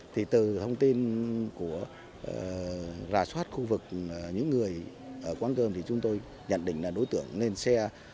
thì từ thông tin của rà soát khu vực những người ở quán cơm thì chúng tôi nhận định là đối tượng lên xe